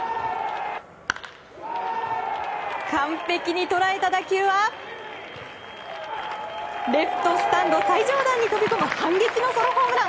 完璧に捉えた打球はレフトスタンド最上段に飛び込む反撃のソロホームラン！